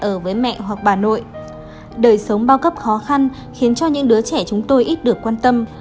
ở với mẹ hoặc bà nội đời sống bao cấp khó khăn khiến cho những đứa trẻ chúng tôi ít được quan tâm